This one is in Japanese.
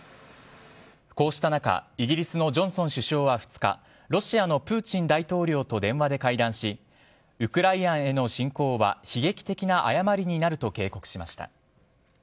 こうした中イギリスのジョンソン首相は２日ロシアのプーチン大統領と電話で会談しウクライナへの侵攻は悲劇的な誤りになると警告しました。